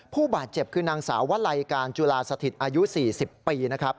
ผู้บาดเจ็บคือนางสาววลัยการจุลาสถิตอายุ๔๐ปีนะครับ